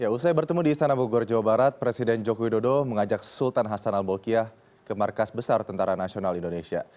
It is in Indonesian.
usai bertemu di istana bogor jawa barat presiden joko widodo mengajak sultan hasan al bolkiah ke markas besar tentara nasional indonesia